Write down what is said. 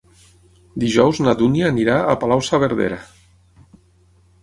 Dijous na Dúnia anirà a Palau-saverdera.